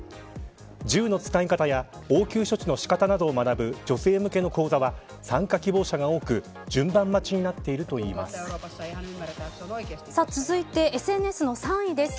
銃の使い方や応急処置の仕方などを学ぶ女性向けの講座は参加希望者が多く順番待ちになっていると続いてＳＮＳの３位です。